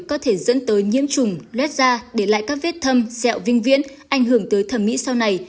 có thể dẫn tới nhiễm trùng lot da để lại các vết thâm xẹo vinh viễn ảnh hưởng tới thẩm mỹ sau này